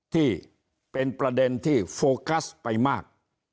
ที่เป็นประเด็นที่โฟกัสไปมาก